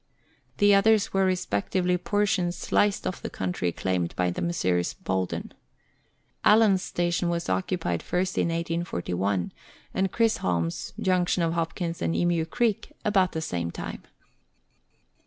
The others were respectively portions sliced off the country claimed by the Messrs. Bolden. Allan's station was occupied first in 1841, and Chisholm's (junction of Hopkins and Emu Creek) about the same time.